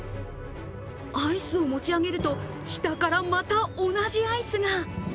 アイスを持ち上げると、下からまた同じアイスが。